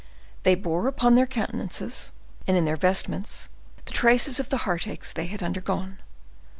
They bore upon their countenances and in their vestments the traces of the heartaches they had undergone.